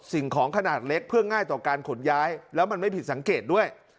สิ่งของขนาดเล็กเพื่อง่ายต่อการขนย้ายแล้วมันไม่ผิดสังเกตด้วย